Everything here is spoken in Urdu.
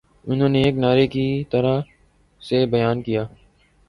انہوں نے ایک نعرے کی طرح اسے بیان کیا